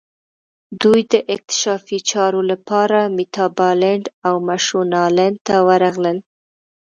دوی د اکتشافي چارو لپاره میتابالنډ او مشونالند ته ورغلل.